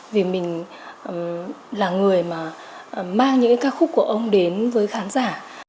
vì mình là người mà mang những ca khúc của ông đến với khán giả